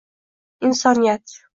Insoniyat